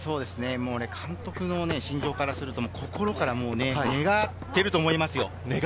監督の心情からすると心から願っていると思いますよ。